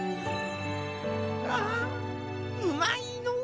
ああうまいのう。